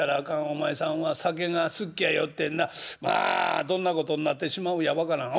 お前さんは酒が好っきやよってなまあどんなことになってしまうや分からん。